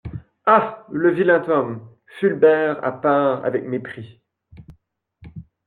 Ah ! le vilain homme ! fulbert à part avec mépris.